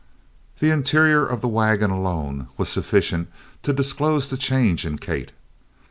The interior of the wagon alone was sufficient to disclose the change in Kate.